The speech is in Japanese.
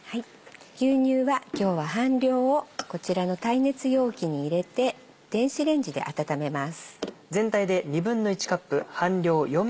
牛乳は今日は半量をこちらの耐熱容器に入れて電子レンジで温めます。